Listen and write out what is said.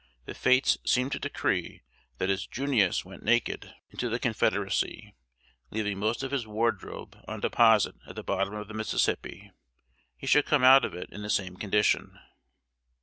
The fates seemed to decree that as "Junius" went naked into the Confederacy (leaving most of his wardrobe on deposit at the bottom of the Mississippi), he should come out of it in the same condition.